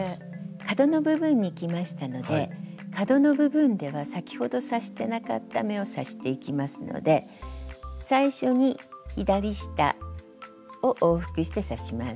角の部分にきましたので角の部分では先ほど刺してなかった目を刺していきますので最初に左下を往復して刺します。